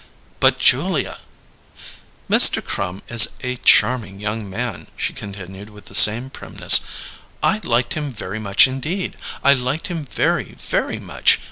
"But, Julia " "Mr. Crum is a charming young man," she continued with the same primness. "I liked him very much indeed. I liked him very, very much.